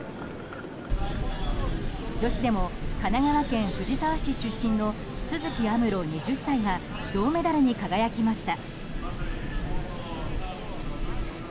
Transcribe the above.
女子でも神奈川県藤沢市出身の都筑有夢路、２０歳が銅メダルに輝きました。